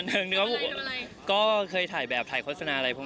นี่อยากได้ทั้งไหนอ่ะ